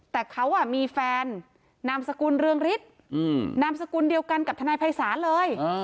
แต่เขามีแฟนนามสกุลเรืองฤทธิ์นามสกุลเดียวกันกับทนายภัยศาลเลย